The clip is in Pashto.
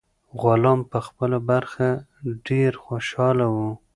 غلام په خپله برخه ډیر خوشاله و.